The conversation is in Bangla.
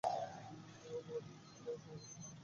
এবং গবাদিপশুগুলোর দেখাশোনা করুন।